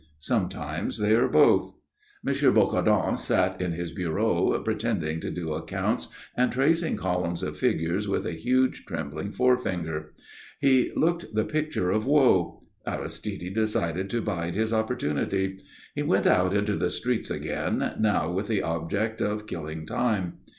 Sometimes they are both. M. Bocardon sat in his bureau, pretending to do accounts and tracing columns of figures with a huge, trembling forefinger. He looked the picture of woe. Aristide decided to bide his opportunity. He went out into the streets again, now with the object of killing time.